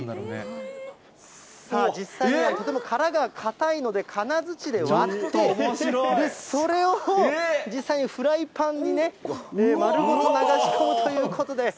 さあ、実際にはとても殻が硬いので、金づちで割って、それを実際にフライパンにね、丸ごと流し込むということで。